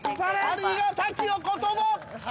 ◆ありがたきお言葉！